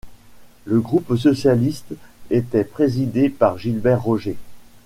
Le groupe socialiste était présidé par Gilbert Roger.